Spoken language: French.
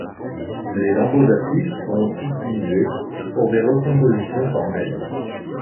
Les lambeaux d'affiches sont utilisés pour des recompositions formelles.